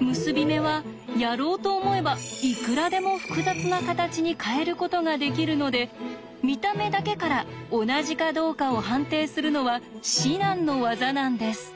結び目はやろうと思えばいくらでも複雑な形に変えることができるので見た目だけから同じかどうかを判定するのは至難の業なんです。